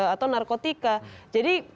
atau narkotika jadi